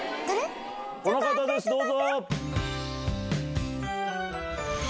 この方です、どうぞ。